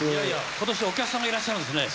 今年お客さんがいらっしゃるんですね。